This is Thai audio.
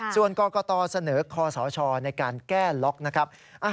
ส่วนกรกตเสนอคอสชในการแก้ล็อกนะครับ